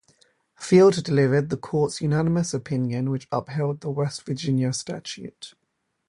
Field delivered the Court's unanimous opinion which upheld the West Virginia statute.